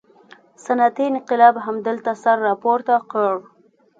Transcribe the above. صنعتي انقلاب همدلته سر راپورته کړ.